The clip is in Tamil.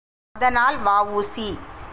அதனால் வ.உ.சி.